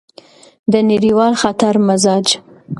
د نړیوال خطر مزاج: